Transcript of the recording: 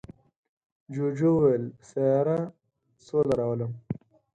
جوجو وویل په سیاره سوله راولم.